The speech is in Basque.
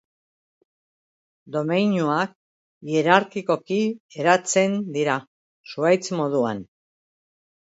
Domeinuak hierarkikoki eratzen dira, zuhaitz moduan.